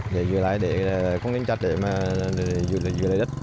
để giữ lại để không nên chạch để mà giữ lại đất